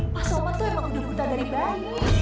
pak somad tuh emang udah buta dari bayi